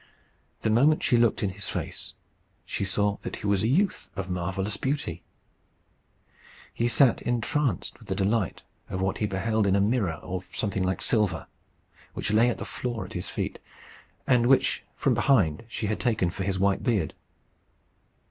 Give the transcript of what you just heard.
The moment she looked in his face, she saw that he was a youth of marvellous beauty. He sat entranced with the delight of what he beheld in a mirror of something like silver, which lay on the floor at his feet, and which from behind she had taken for his white beard.